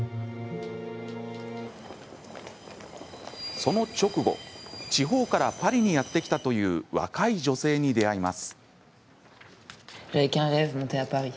その直後地方からパリにやって来たという若い女性に出会います。